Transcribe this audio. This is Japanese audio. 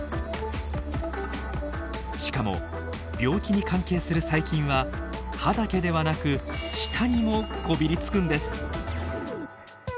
しかも病気に関係する細菌は歯だけではなく舌にもこびりつくんです。